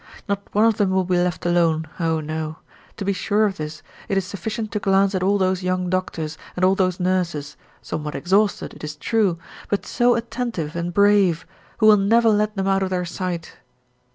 Not one of them will be left alone, oh no! To be sure of this, it is sufficient to glance at all those young doctors and all those nurses, somewhat exhausted, it is true, but so attentive and brave, who will never let them out of their sight.